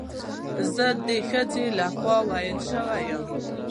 زه د ښځې له خوا ووهل شوم